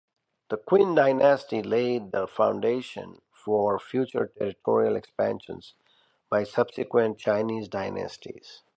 The Qin dynasty laid the foundation for future territorial expansions by subsequent Chinese dynasties.